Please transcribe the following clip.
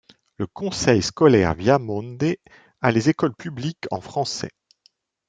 Le Conseil scolaire Viamonde a les écoles publiques en français.